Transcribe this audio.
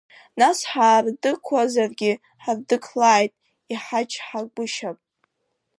Нас ҳардықуазаргьы ҳардықлааит иҳачҳагәышьап.